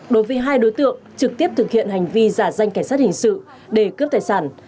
đối với hai đối tượng trực tiếp thực hiện hành vi giả danh cảnh sát hình sự để cướp tài sản